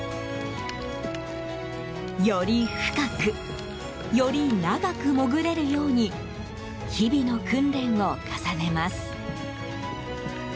より深く、より長く潜れるように日々の訓練を重ねます。